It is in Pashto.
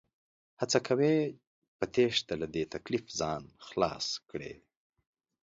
هڅه کوي په تېښته له دې تکليف ځان خلاص کړي